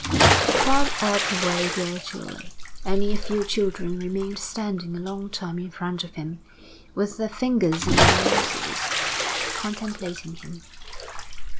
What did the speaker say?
The crowd ebbed away gradually. Only a few children remained standing a long time in front of him, with their fingers in their noses, contemplating him.